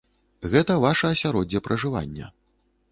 Гэта ваша асяроддзе пражывання.